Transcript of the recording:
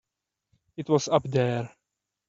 It was up there.